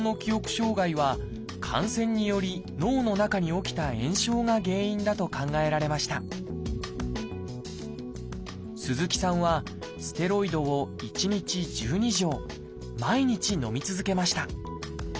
障害は感染により脳の中に起きた炎症が原因だと考えられました鈴木さんはステロイドを１日１２錠毎日のみ続けました。